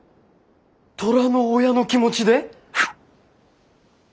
虎の親の気持ちで？